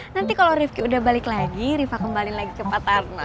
nanti kalau rifki udah balik lagi rifa kembali lagi ke pak tarno